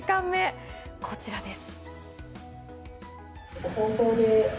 こちらです。